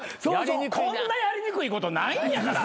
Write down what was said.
こんなやりにくいことないんやから。